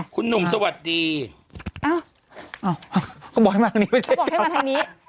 คุณหนุ่มสวัสดีอ้าวอ้าวเขาบอกให้มาทางนี้ไม่ได้เขาบอกให้มาทางนี้